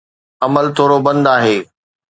عمل ٿورو بند آهي.